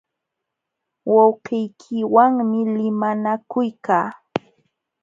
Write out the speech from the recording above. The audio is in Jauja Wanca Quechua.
Wawqiykiwanmi limanakuykaa.